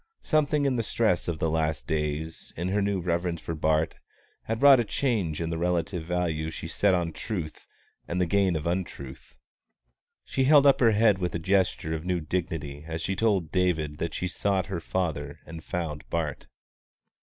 Something in the stress of the last days, in her new reverence for Bart, had wrought a change in the relative value she set on truth and the gain of untruth. She held up her head with a gesture of new dignity as she told David that she had sought her father and found Bart.